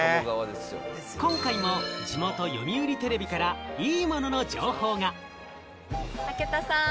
今回も地元・読売テレビからいいものの情報が。